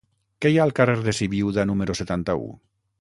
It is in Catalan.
Què hi ha al carrer de Sibiuda número setanta-u?